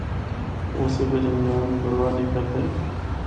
غصے بچ انجام دی پرواہ نیں کردے۔